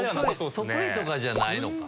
得意とかじゃないのか。